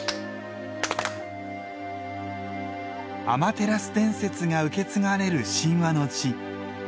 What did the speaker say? アマテラス伝説が受け継がれる神話の地。